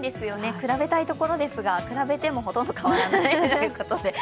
比べたいところですが、比べてもほとんど変わらないということで。